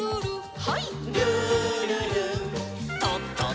はい。